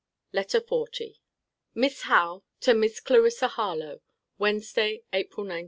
LETTER XL MISS HOWE, TO MISS CLARISSA HARLOWE WEDNESDAY, APRIL 19.